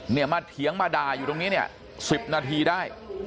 เนี่ยมาเถียงมาด่าอยู่ตรงนี้เนี่ย๑๐นาทีได้